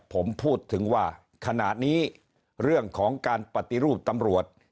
ผมพูดถึงว่าขณะนี้เรื่องของการปฏิรูปตำรวจ